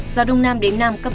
gió đông nam đến nam cấp hai ba